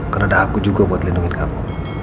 karena ada aku juga buat lindungin kamu